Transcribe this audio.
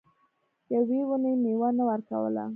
یوې ونې میوه نه ورکوله.